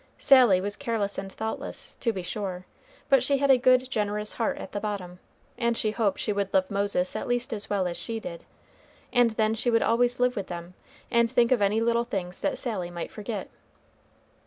Sally was careless and thoughtless, to be sure, but she had a good generous heart at the bottom, and she hoped she would love Moses at least as well as she did, and then she would always live with them, and think of any little things that Sally might forget.